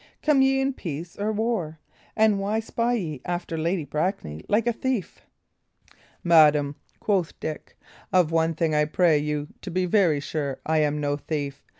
Come ye in peace or war? And why spy ye after Lady Brackley like a thief?" "Madam," quoth Dick, "of one thing I pray you to be very sure: I am no thief.